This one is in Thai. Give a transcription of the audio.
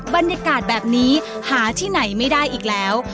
บรรยากาศแบบนี้หาที่ไหนไม่ได้อีกแล้ว